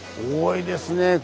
多いですね。